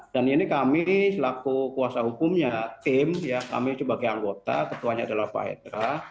dan ini kami selaku kuasa hukumnya tim ya kami sebagai anggota ketuanya adalah pak hedra